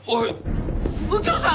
右京さん！？